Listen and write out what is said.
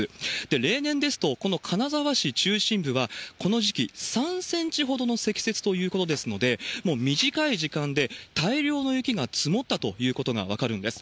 例年ですと、この金沢市中心部はこの時期、３センチほどの積雪ということですので、もう短い時間で大量の雪が積もったということが分かるんです。